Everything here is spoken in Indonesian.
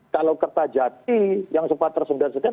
kalau kertajati yang sempat tersendat sedap